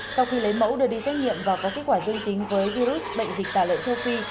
các lấy mẫu được đi xét nghiệm và có kết quả dương tính với virus bệnh dịch tả lợn châu phi